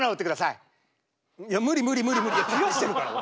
いや無理無理無理無理ケガしてるから。